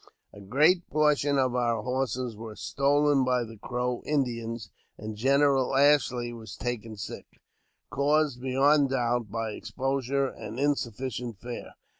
A great portion of our horses were stolen by the Crow Indians, and General Ashley was taken sick, caused, beyond doubt, by exposure and insufficient fare.